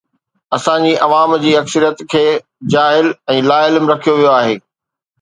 اسان جي عوام جي اڪثريت کي جاهل ۽ لاعلم رکيو ويو آهي.